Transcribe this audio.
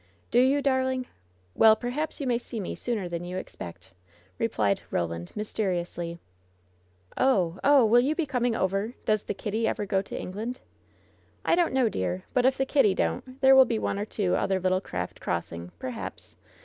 "Do you, darling? Well, perhaps you may see me sooner than you expect," replied Roland, mysteriously. "Oh ! oh ! will you be coming over ? Does the Kitty ever go to England ?" "I don't know, dear ; but if the Kitty don't, there will be one or two other little craft crossing — perhaps.